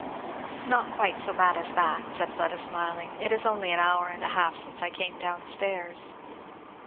"Not quite so bad as that," said Fleda smiling; "it is only an hour and a half since I came down stairs."